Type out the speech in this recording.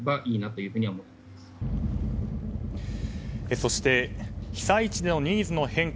そして被災地でのニーズの変化